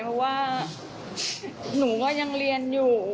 เพราะว่าหนูก็ยังเรียนอยู่